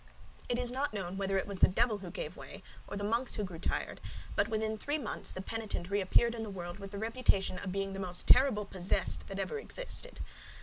It is not known whether it was the devil who gave way, or the monks who grew tired; but within three months the penitent reappeared in the world with the reputation of being the most terrible possessed that ever existed.